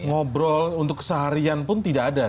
ngobrol untuk seharian pun tidak ada